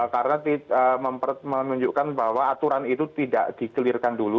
karena memunjukkan bahwa aturan itu tidak di clear kan dulu